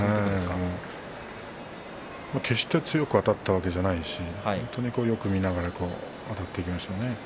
決して強くあたったわけじゃないし本当によく見ながらあたっていきましたね。